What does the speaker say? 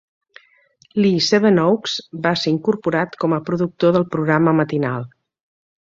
Lee Sevenoaks va ser incorporat com a productor del programa matinal.